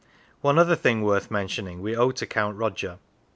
One other thing worth mentioning we owe to Count Roger.